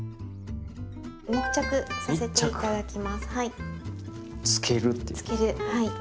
密着させて頂きます。